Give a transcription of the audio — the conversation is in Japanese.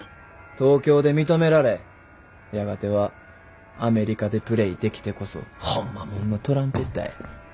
東京で認められやがてはアメリカでプレーできてこそホンマもんのトランペッターや。